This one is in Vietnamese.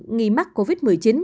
nghi mắc covid một mươi chín